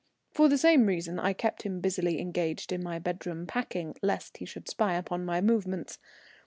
For the same reason I kept him busily engaged in my bedroom packing, lest he should spy upon my movements.